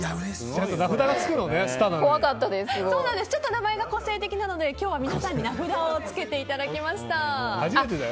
名前が個性的なので今日は皆さんに名札をつけていただきました。